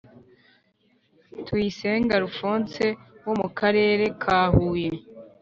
Tuyisenge Alphonse wo mu Akarere ka huye